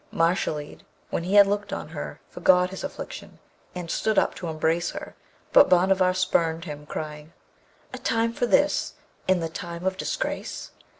Mashalleed, when he had looked on her, forgot his affliction, and stood up to embrace her, but Bhanavar spurned him, crying, 'A time for this in the time of disgrace?'